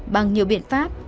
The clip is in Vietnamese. bằng nhiều biện pháp